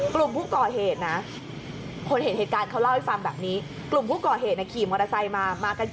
ควรเหตุการณ์เขาเล่าให้ฟังว่ากลุ่มผู้ก่อเหตุขี่มอเตอร์ไซค์มา